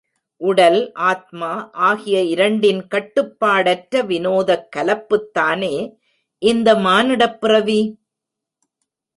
உடல், ஆத்மா ஆகிய இரண்டின் கட்டுப்பாடற்ற வினோதக் கலப்புத்தானே இந்த மானுடப்பிறவி?...